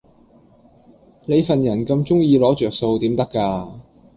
你份人咁鐘意拿着數點得架